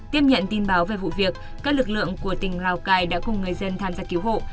tiếp nhận tin báo về vụ việc các lực lượng của tỉnh lào cai đã cùng người dân tham gia cứu hộ